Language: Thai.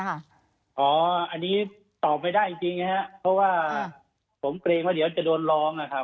อันนี้ตอบไม่ได้จริงนะครับเพราะว่าผมเกรงว่าเดี๋ยวจะโดนร้องนะครับ